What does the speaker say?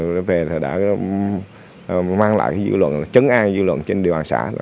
đối tượng đã mang lại dự luận chấn an dự luận trên điều hành xã